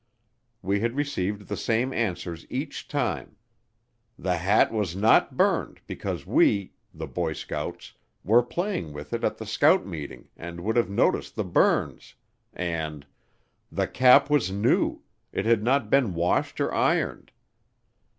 We had received the same answers each time: "The hat was not burned because we [the boy scouts] were playing with it at the scout meeting and would have noticed the burns," and, "The cap was new; it had not been washed or ironed."